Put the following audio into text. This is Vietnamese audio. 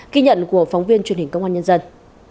ghi nhận của phóng viên truyền hình công an nhân dân